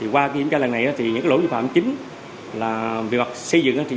qua kiểm tra này những lỗi vi phạm chính về mặt xây dựng